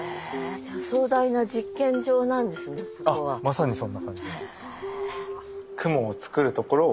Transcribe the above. じゃあ壮大な実験場なんですねここは。